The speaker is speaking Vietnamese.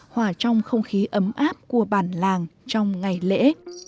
hòa trong không khí ấm áp của bản làng trong ngày lễ